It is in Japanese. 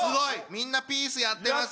みんなピースやってます。